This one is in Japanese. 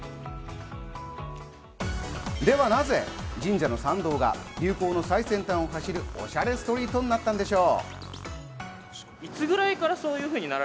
では、なぜ神社の参道が流行の最先端を走る、おしゃれストリートになったんでしょう？